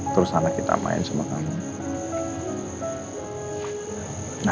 terus anak kita main sama kami